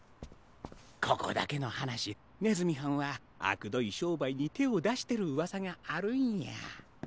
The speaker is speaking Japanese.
ここだけのはなしねずみはんはあくどいしょうばいにてをだしてるうわさがあるんや。